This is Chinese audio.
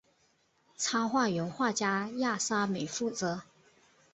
插画由画家亚沙美负责。